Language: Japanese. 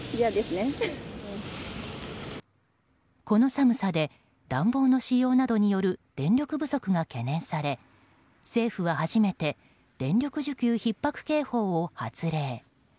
この寒さで暖房の使用などによる電力不足が懸念され政府は初めて電力需給ひっ迫警報を発令。